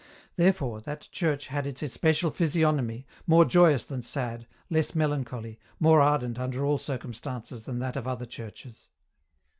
Therefore, that church had its especial physiognony, more joyous than sad, less melancholy, more ardent under all circumstances than that of other churches.